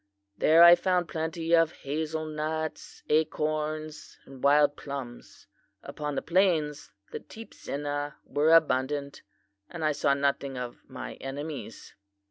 There I found plenty of hazel nuts, acorns and wild plums. Upon the plains the teepsinna were abundant, and I saw nothing of my enemies.